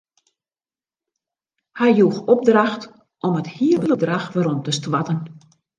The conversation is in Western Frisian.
Hy joech opdracht om it hiele bedrach werom te stoarten.